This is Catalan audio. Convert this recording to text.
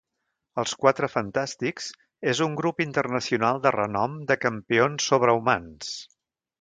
Els Quatre Fantàstics és un grup internacional de renom de campions sobrehumans.